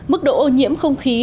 mức độ ô nhiễm không khí